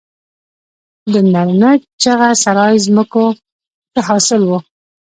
د نرنګ، چغه سرای ځمکو ښه حاصل و